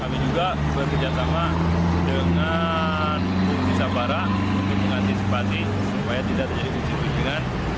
kami juga bekerjasama dengan bungi sabara untuk mengantisipasi supaya tidak terjadi kecimpikan